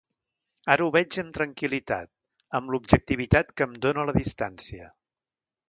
Ara ho veig amb tranquil·litat, amb l’objectivitat que em dóna la distància.